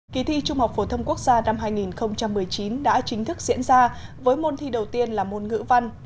kỳ thi trung học phổ thông quốc gia năm hai nghìn một mươi chín đã chính thức diễn ra với môn thi đầu tiên là môn ngữ văn